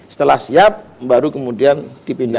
setelah siap baru kemudian dipindah